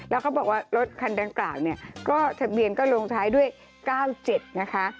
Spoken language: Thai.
แล้วก็บอกว่ารถคันด้านกล่าวทะเบียนก็ลงท้ายด้วย๙๗นะคะ